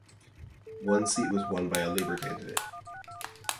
One seat was won by a Labour candidate.